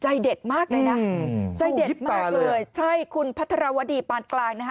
ใจเด็ดมากเลยนะข้งหิบตาเลยใช่คุณพระธรวดีปาลกลางอะไรครับ